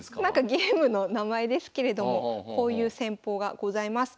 ゲームの名前ですけれどもこういう戦法がございます。